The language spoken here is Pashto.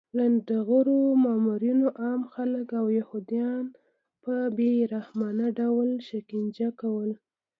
لنډغرو مامورینو عام خلک او یهودان په بې رحمانه ډول شکنجه کول